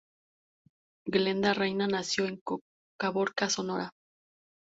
Glenda Reyna nació en Caborca, Sonora.